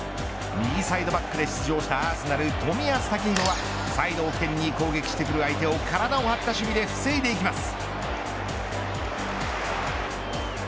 右サイドバックで出場したアーセナル、冨安健洋はサイドを起点に攻撃してくる相手を体を張った守備で防いでいきます。